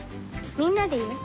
みんなでいう？